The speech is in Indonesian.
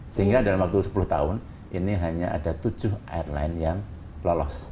sehingga dalam waktu sepuluh tahun ini hanya ada tujuh airline yang lolos